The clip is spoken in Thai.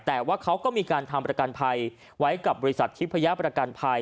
แต่ว่าเขาก็มีการทำประกันภัยไว้กับบริษัททิพยาประกันภัย